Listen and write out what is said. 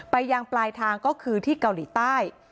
ยังปลายทางก็คือที่เกาหลีใต้